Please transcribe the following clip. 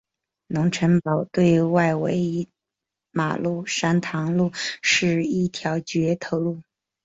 龙成堡对外的唯一马路山塘路是一条掘头路。